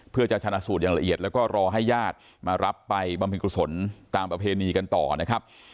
เพื่อจะชนะสูตรอย่างละเอียดแล้วก็รอให้ญาติมารับไปบำเพ็ญกุศลตามประเพณีกันต่อนะครับ